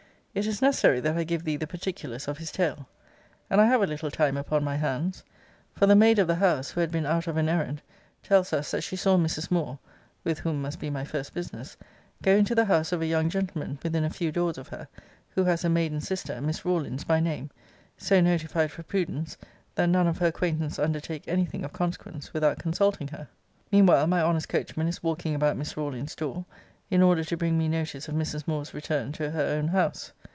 It is necessary that I give thee the particulars of his tale, and I have a little time upon my hands: for the maid of the house, who had been out of an errand, tells us, that she saw Mrs. Moore, [with whom must be my first business,] go into the house of a young gentleman, within a few doors of her, who has a maiden sister, Miss Rawlins by name, so notified for prudence, that none of her acquaintance undertake any thing of consequence without consulting her. Meanwhile my honest coachman is walking about Miss Rawlin's door, in order to bring me notice of Mrs. Moore's return to her own house.